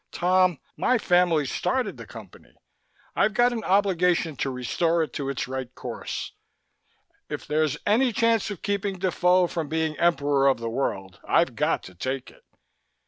Tom, my family started the Company. I've got an obligation to restore it to its right course. If there's any chance of keeping Defoe from being emperor of the world, I've got to take it.